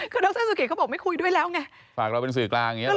คือดรสุเกตเขาบอกไม่คุยด้วยแล้วไงฝากเราเป็นสื่อกลางอย่างนี้หรอ